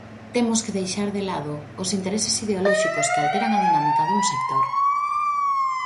Temos que deixar de lado os intereses ideolóxicos que alteran a dinámica dun sector.